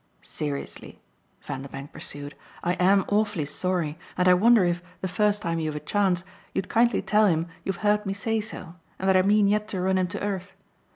Seriously," Vanderbank pursued, "I AM awfully sorry and I wonder if, the first time you've a chance, you'd kindly tell him you've heard me say so and that I mean yet to run him to earth.